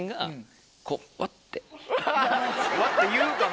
「わ」って言うかな？